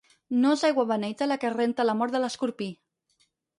No és aigua beneita la que renta la mort de l'escorpí.